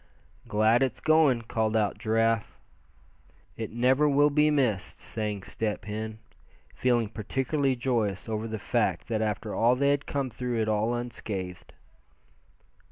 "Glad it's going!" called out Giraffe. "It never will be missed," sang Step Hen, feeling particularly joyous over the fact that after all they had come through it all unscathed.